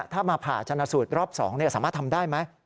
ถ้ามาผ่าชนะสูตรรอบ๒สามารถทำได้ไหม